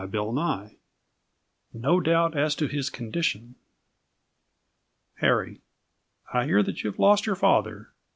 N._ NO DOUBT AS TO HIS CONDITION. Harry I hear that you have lost your father.